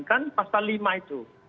kan pasal lima itu